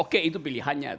oke itu pilihannya